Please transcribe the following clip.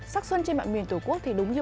sắc xuân trên mọi miền tổ quốc thì đúng như